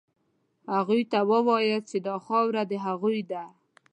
هغوی ته ووایاست چې دا خاوره د هغوی ده.